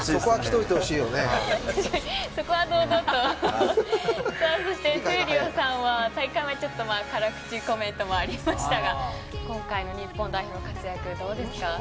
そして、闘莉王さんは大会前、ちょっと辛口コメントもありましたが今回の日本代表の活躍はどうですか？